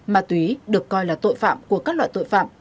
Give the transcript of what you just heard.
ma túy được coi là tội phạm của các loại tội phạm